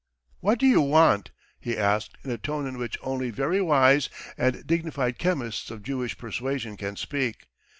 "What do you want?" he asked in a tone in which only very wise and dignified chemists of Jewish persuasion can speak.